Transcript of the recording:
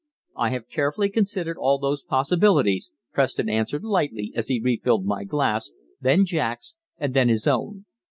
"I have carefully considered all those possibilities," Preston answered lightly as he refilled my glass, then Jack's, and then his own.